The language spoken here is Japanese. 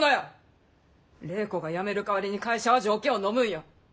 礼子がやめる代わりに会社は条件をのむんや。